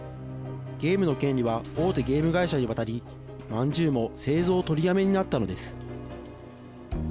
ゲームの権利は大手ゲーム会社にわたりまんじゅうも製造取りやめになったんです。